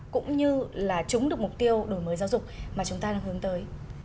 cũng như là chúng được mục tiêu đổi mới giáo dục mà chúng ta đang hướng tới